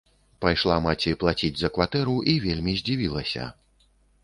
Пайшла маці плаціць за кватэру і вельмі здзівілася.